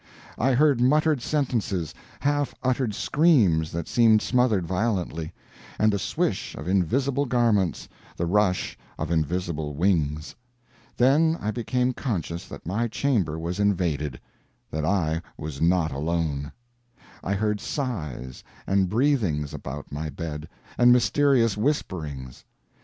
I heard muttered sentences; half uttered screams that seemed smothered violently; and the swish of invisible garments, the rush of invisible wings. Then I became conscious that my chamber was invaded that I was not alone. I heard sighs and breathings about my bed, and mysterious whisperings.